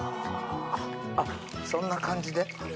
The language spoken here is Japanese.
あっそんな感じで。